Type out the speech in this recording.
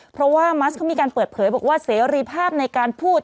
เพราะว่ามัสเขามีการเปิดเผยบอกว่าเสรีภาพในการพูด